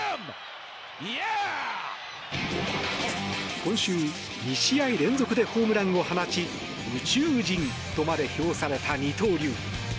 今週、２試合連続でホームランを放ち宇宙人とまで評された二刀流。